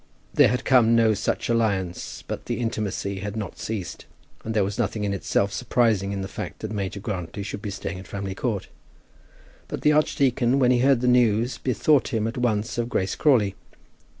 There had come no such alliance; but the intimacy had not ceased, and there was nothing in itself surprising in the fact that Major Grantly should be staying at Framley Court. But the archdeacon, when he heard the news, bethought him at once of Grace Crawley.